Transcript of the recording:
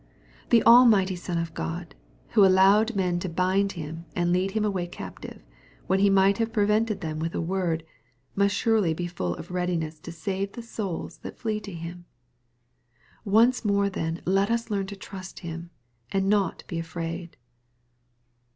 ^ The almighty Son of God, who allowed men to bind Him and lead Him away captive, when He might have prevented them with a word, must surely be full of readiness to save the souls that flee to Him. J Once mor^ then let us learn to trust Him, and not be afraid.